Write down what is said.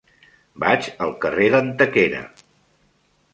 Vaig al carrer d'Antequera.